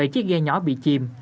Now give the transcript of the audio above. bảy chiếc ghe nhỏ bị chìm